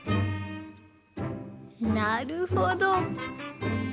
なるほど。